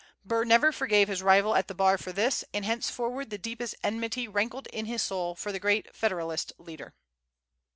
Burr never forgave his rival at the bar for this, and henceforward the deepest enmity rankled in his soul for the great Federalist leader.